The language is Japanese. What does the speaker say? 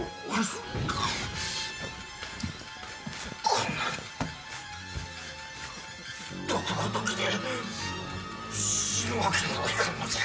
こんな毒ごときで死ぬわけにはいかんのじゃ。